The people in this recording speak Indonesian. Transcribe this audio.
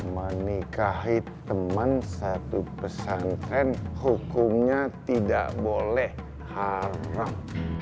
menikahi teman satu pesantren hukumnya tidak boleh haram